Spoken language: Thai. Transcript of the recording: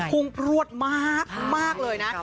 คงปลวดมากเลยนะ